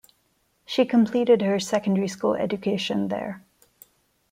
She completed her secondary school education there.